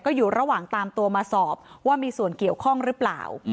อยู่ระหว่างตามตัวมาสอบว่ามีส่วนเกี่ยวข้องหรือเปล่า